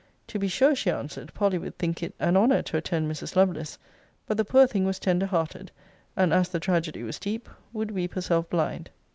To be sure, she answered, Polly would think it an honour to attend Mrs. Lovelace: but the poor thing was tender hearted; and as the tragedy was deep, would weep herself blind.